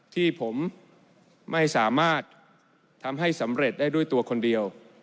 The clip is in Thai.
ที่ผมไม่สามารถทำให้สำเร็จได้ด้วยตัวคนเดียว